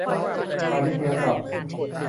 พาณิชยกรรม